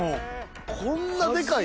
こんなでかいの？